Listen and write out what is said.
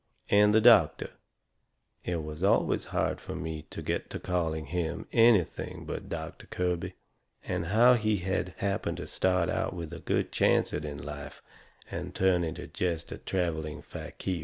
And the doctor it was always hard fur me to get to calling him anything but Doctor Kirby how he had happened to start out with a good chancet in life and turn into jest a travelling fakir.